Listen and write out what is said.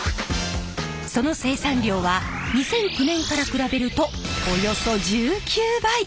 その生産量は２００９年から比べるとおよそ１９倍！